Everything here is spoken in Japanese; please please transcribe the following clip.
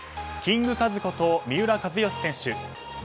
キングカズこと三浦知良選手